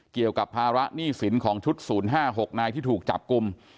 เกี่ยวกับภาระหนี้สินของชุด๐๕๖นายที่ถูกจับกลุ่ม